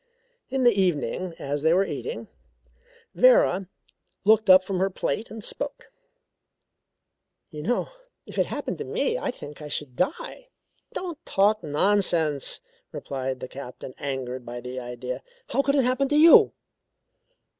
In the evening as they were eating, Vera looked up from her plate and spoke: "You know, if it happened to me, I think I should die." "Don't talk nonsense," replied the Captain angered by the idea. "How could it happen to you?"